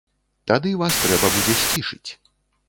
Тады вас трэба будзе сцішыць.